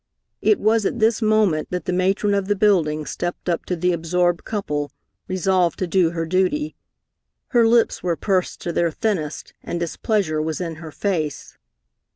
It was at this moment that the matron of the building stepped up to the absorbed couple, resolved to do her duty. Her lips were pursed to their thinnest, and displeasure was in her face.